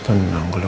ini dijaga ya